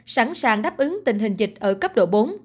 sẵn sàng đáp ứng tình hình dịch ở cấp độ bốn